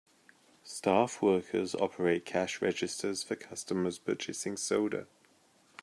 Staff workers operate cash registers for customers purchasing soda.